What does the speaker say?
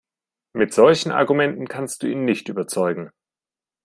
Mit solchen Argumenten kannst du ihn nicht überzeugen.